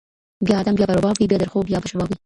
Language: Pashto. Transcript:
بیا آدم بیا به رباب وي بیا درخو بیا به شباب وي